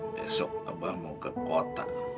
besok abang mau ke kota